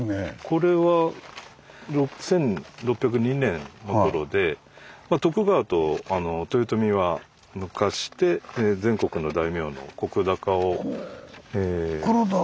これは１６０２年のころで徳川と豊臣は抜かして全国の大名の石高を。